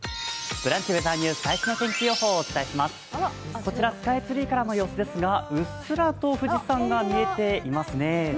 こちら、スカイツリーからの様子ですが、うっすらと富士山が見えていますね。